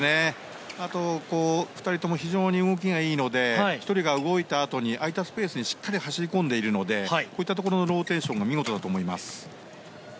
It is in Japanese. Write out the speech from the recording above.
あと、２人とも非常に動きがいいので１人が動いたあとに空いたスペースにしっかり走り込んでいるのでそういったところのローテーションが見事だと思います。